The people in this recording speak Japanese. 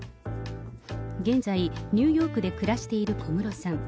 現在、ニューヨークで暮らしている小室さん。